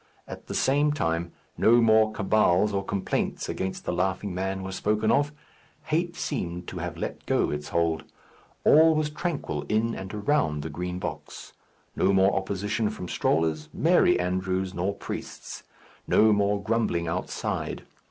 At the same time, no more cabals or complaints against the Laughing Man were spoken of. Hate seemed to have let go its hold. All was tranquil in and around the Green Box. No more opposition from strollers, merry andrews, nor priests; no more grumbling outside.